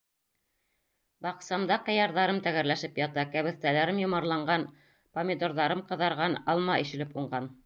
Баҡсамда ҡыярҙарым тәгәрләшеп ята, кәбеҫтәләрем йомарланған, помидорҙарым ҡыҙарған, алма ишелеп уңған.